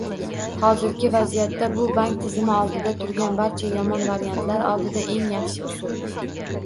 Hozirgi vaziyatda, bu bank tizimi oldida turgan barcha yomon variantlar oldida eng yaxshi usul